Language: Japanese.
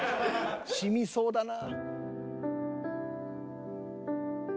しみそうだな。